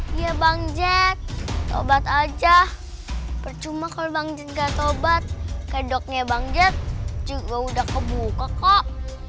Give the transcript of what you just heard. dia bang zed obat aja percuma kalau bang jika tobat kedoknya bang jep juga udah kebuka kok